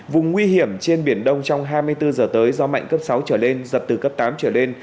vùng nguy hiểm trên biển đông trong hai mươi bốn giờ tới gió mạnh cấp sáu trở lên giật từ cấp tám trở lên